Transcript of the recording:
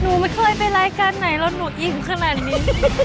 หนูไม่เคยไปรายการไหนแล้วหนูอิ่มขนาดนี้